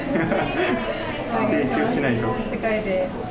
提供しないと。